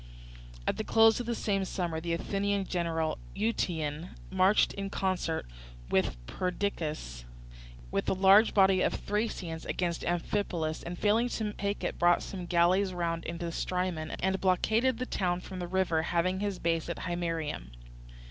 At the close of the same summer the Athenian general Euetion marched in concert with Perdiccas with a large body of Thracians against Amphipolis, and failing to take it brought some galleys round into the Strymon, and blockaded the town from the river, having his base at Himeraeum.